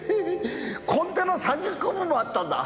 コンテナ３０個分もあったんだ。